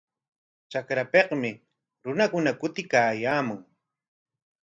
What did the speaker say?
Trakrapikmi runakuna kutiykaayaamun.